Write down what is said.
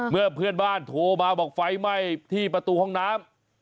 เมื่อเพื่อนบ้านโทรมาบอกไฟไหม้ที่ประตูห้องน้ำ